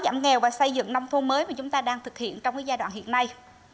giảm nghèo và xây dựng nông thôn mới mà chúng ta đang thực hiện trong giai đoạn hiện nay